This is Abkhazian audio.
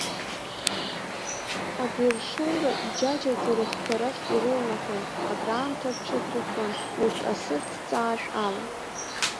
Абри ршоура иџьаџьаӡа рыхқәа рахь ирылнаҳәан, акраамҭа рҽыдрыхьуан урҭ асырӡ ҵааршә ала.